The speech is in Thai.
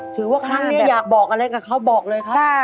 ถือว่าครั้งนี้อยากบอกอะไรกับเขาบอกเลยครับ